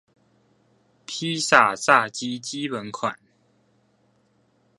披薩炸雞基本款